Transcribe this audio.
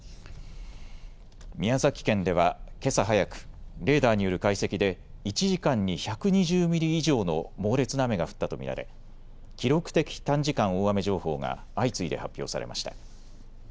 宮崎県ではけさ早くレーダーによる解析で１時間に１２０ミリ以上の猛烈な雨が降ったと見られ記録的短時間大雨情報が相次いで発表されました。